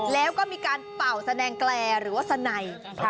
แล้วก็มีการเป่าแสดงแกรหรือว่าสไน